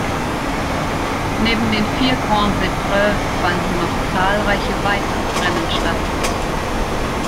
Neben den vier Grandes Épreuves fanden noch zahlreiche weitere Rennen statt.